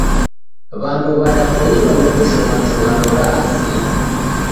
Wandu wadapoilwa ni kushoma chughano ra asili.